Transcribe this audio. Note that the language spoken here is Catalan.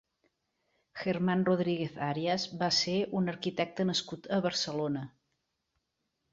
Germán Rodríguez Arias va ser un arquitecte nascut a Barcelona.